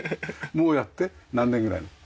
もうやって何年ぐらい？